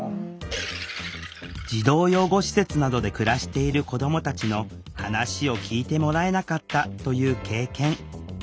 児童養護施設などで暮らしている子どもたちの話を聴いてもらえなかったという経験。